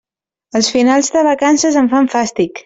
Els finals de vacances em fan fàstic.